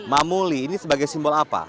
mamuli ini sebagai simbol apa